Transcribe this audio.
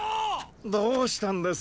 どうしたんです？